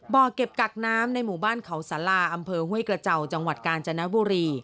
บ่อเก็บกักน้ำในหมู่บ้านเขาสาราอำเภอห้วยกระเจ้าจังหวัดกาญจนบุรี